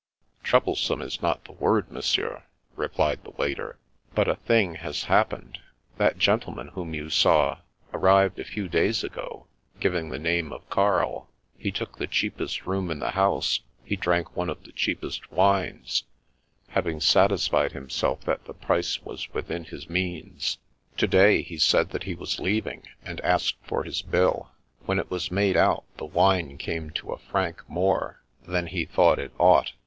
" Troublesome is not the word. Monsieur," re plied the waiter. " But a thing has happened. That gentleman whom you saw, arrived a few days ago, giving the name of Karl. He took the cheapest room in the house; he drank one of the cheapest wines, having satisfied himself that the price was within his means. To day, he said that he was leaving, and asked for his bill. When it was made out, the wine came to a franc more than he thought it ought.